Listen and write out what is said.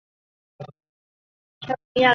属于草食性的食植瓢虫亚科。